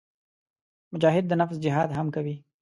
مجاهد د نفس جهاد هم کوي.